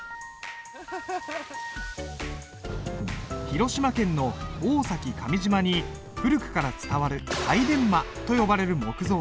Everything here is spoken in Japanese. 広島県の大崎上島に古くから伝わる櫂伝馬と呼ばれる木造船。